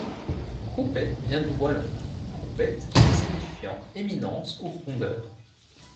Croupet vient du wallon Croupèt signifiant éminence ou rondeur.